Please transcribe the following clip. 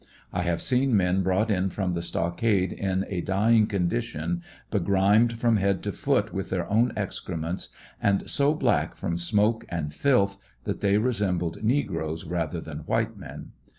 I have seen men brought in from the stockade in a dying condition, begrim med from head to foot with their own excrements, and so black from smoke and filth that they resembled negroes rather than white men.